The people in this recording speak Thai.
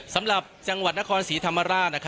สำหรับจังหวัดนครศรีธรรมราช